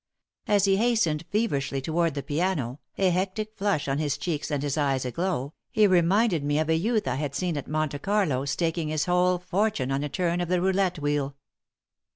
As he hastened feverishly toward the piano, a hectic flush on his cheeks and his eyes aglow, he reminded me of a youth I had seen at Monte Carlo staking his whole fortune on a turn of the roulette wheel.